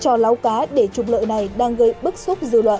chò láo cá để chụp lợi này đang gây bức xúc dư luận